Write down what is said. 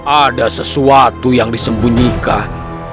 ada sesuatu yang disembunyikan